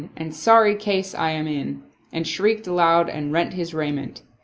and Sorry case I am in I" and shrieked aloud and rent his rai ment.